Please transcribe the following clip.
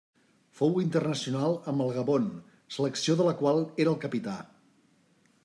Fou internacional amb el Gabon, selecció de la qual era el capità.